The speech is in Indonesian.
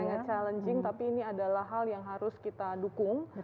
sangat challenging tapi ini adalah hal yang harus kita dukung